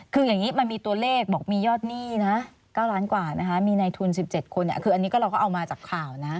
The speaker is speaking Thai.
คืออย่างนี้มันมีตัวเลขบอกมียอดหนี้นะ๙ล้านกว่านะคะมีในทุน๑๗คนคืออันนี้ก็เราก็เอามาจากข่าวนะ